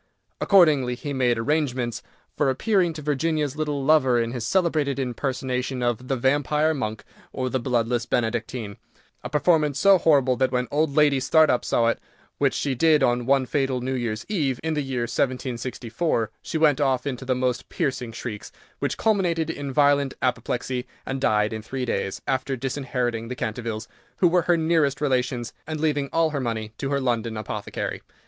Accordingly, he made arrangements for appearing to Virginia's little lover in his celebrated impersonation of "The Vampire Monk, or the Bloodless Benedictine," a performance so horrible that when old Lady Startup saw it, which she did on one fatal New Year's Eve, in the year 1764, she went off into the most piercing shrieks, which culminated in violent apoplexy, and died in three days, after disinheriting the Cantervilles, who were her nearest relations, and leaving all her money to her London apothecary.